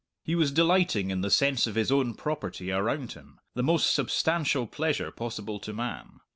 He was delighting in the sense of his own property around him, the most substantial pleasure possible to man.